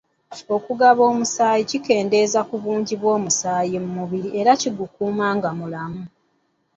Okugaba omusaayi kikendeeza ku bungi bw'omusaayi mu mubiri era kigukuuma nga mulamu.